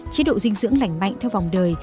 chế độ dinh dưỡng lạnh mạnh theo vòng đời